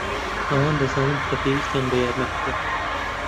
ئەوان دەزانن کە پێویستیان بە یارمەتییە.